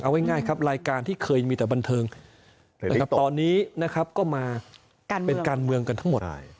เอาไว้ง่ายละลายการที่เคยมีแต่บันเทิงตอนนี้ก็มาเป็นการเมืองกันทั้งหมด